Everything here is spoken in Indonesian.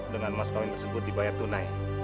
dengan mas kawin tersebut dibayar tunai